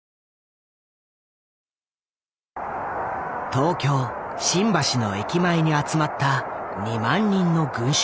東京・新橋の駅前に集まった２万人の群衆。